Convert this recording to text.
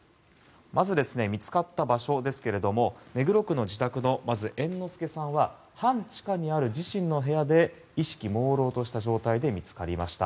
まず見つかった場所ですが目黒区の自宅の、猿之助さんは半地下にある自身の部屋で意識もうろうとした状態で見つかりました。